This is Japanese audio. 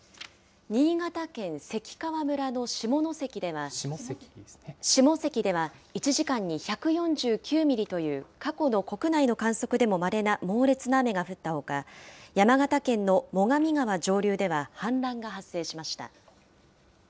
新潟県関川村の下関では１時間に１４９ミリという過去の国内の観測でもまれな猛烈な雨が降ったほか山形県の最上川上流では氾濫が発生しました。